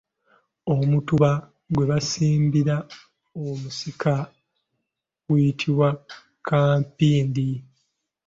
Omutuba gwe basimbira omusika guyitibwa kampindi.